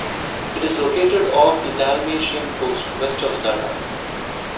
It is located off the Dalmatian coast, west of Zadar.